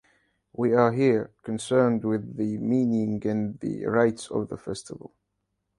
We are here concerned with the meaning and the rites of the festival.